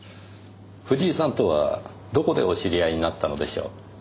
藤井さんとはどこでお知り合いになったのでしょう？